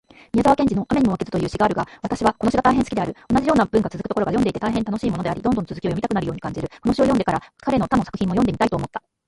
宮沢賢治のアメニモマケズという詩があるが私はこの詩が大変好きである。同じような文がつづくところが読んでいて大変楽しいものであり、どんどん続きを読みたくなるように感じる。この詩を読んでから、彼の他の作品も読んでみたいと思った。